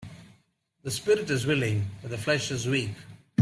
The spirit is willing but the flesh is weak.